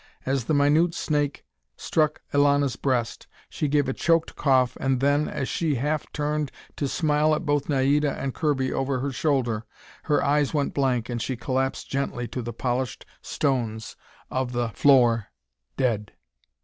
As the minute snake struck Elana's breast, she gave a choked cough, and then, as she half turned to smile at both Naida and Kirby over her shoulder, her eyes went blank, and she collapsed gently to the polished stones of the floor dead.